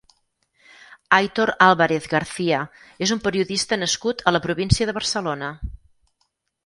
Aitor Álvarez García és un periodista nascut a la província de Barcelona.